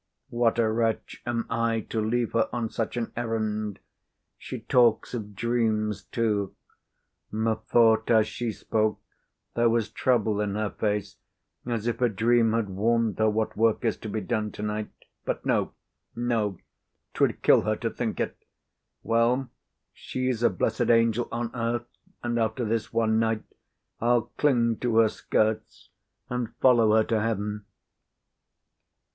"What a wretch am I to leave her on such an errand! She talks of dreams, too. Methought as she spoke there was trouble in her face, as if a dream had warned her what work is to be done tonight. But no, no; 'twould kill her to think it. Well, she's a blessed angel on earth; and after this one night I'll cling to her skirts and follow her to heaven."